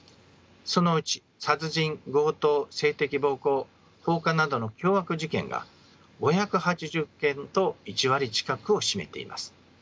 そのうち殺人強盗性的暴行放火などの凶悪事件が５８０件と１割近くを占めています。